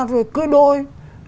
rồi cưới đôi